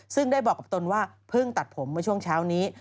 ซึ่งได้บอกกับตนว่าเพิ่งตัดผมเมื่อช่วงเช้านี้